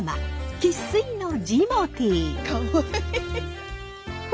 生っ粋のジモティー！